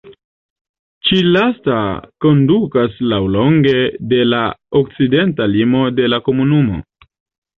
Ĉi-lasta kondukas laŭlonge de la okcidenta limo de la komunumo.